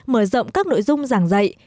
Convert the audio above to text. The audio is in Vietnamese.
mở rộng các nội dung giảng dạy